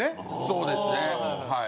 そうですねはい。